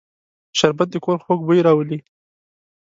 شربت د کور خوږ بوی راولي